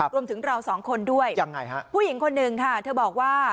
รวมถึงเราสองคนด้วยผู้หญิงคนนึงค่ะเธอบอกว่า